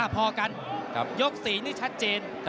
พอกันยก๔นี่ชัดเจน